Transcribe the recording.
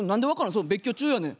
そう別居中やねん。